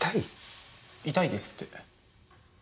痛いですって。